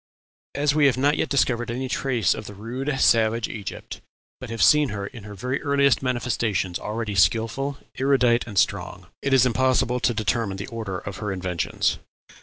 "As we have not yet discovered any trace of the rude, savage Egypt, but have seen her in her very earliest manifestations already skilful, erudite, and strong, it is impossible to determine the order of her inventions.